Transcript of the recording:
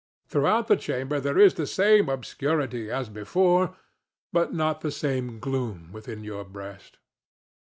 Throughout the chamber there is the same obscurity as before, but not the same gloom within your breast.